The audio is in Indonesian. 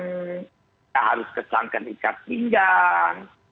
kita harus kesankan ikat pinggang